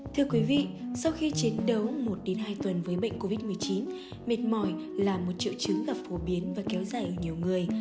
thưa quý vị sau khi chiến đấu một đến hai tuần với bệnh covid một mươi chín mệt mỏi là một triệu chứng gặp phổ biến và kéo dài ở nhiều người